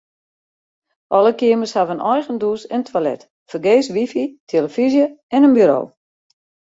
Alle keamers hawwe in eigen dûs en toilet, fergees wifi, tillefyzje en in buro.